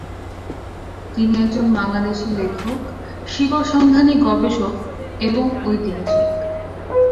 তিনি একজন বাংলাদেশী লেখক, শিকড় সন্ধানী গবেষক এবং ঐতিহাসিক।